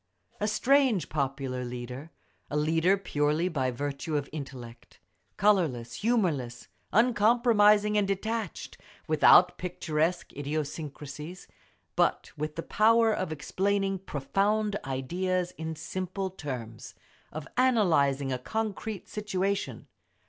A strange popular leader—a leader purely by virtue of intellect; colourless, humourless, uncompromising and detached, without picturesque idiosyncrasies—but with the power of explaining profound ideas in simple terms, of analysing a concrete situation.